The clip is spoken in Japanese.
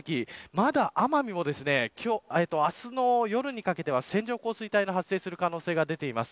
まだ奄美も明日の夜にかけては線状降水帯が発生する可能性が出ています。